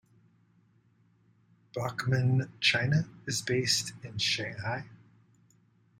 Bachmann China is based in Shanghai.